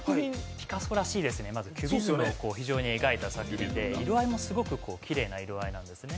ピカソらしいですよね、まずキュビズムを描いた作品で、色合いもすごくきれいな色合いなんですね。